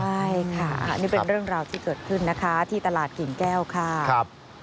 ใช่ค่ะนี่เป็นเรื่องราวที่เกิดขึ้นนะคะที่ตลาดกิ่งแก้วค่ะ